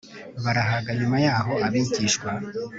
barahaga nyuma yaho abigishwa